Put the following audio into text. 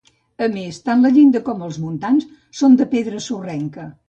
A més tant la llinda com els muntants són de pedra sorrenca.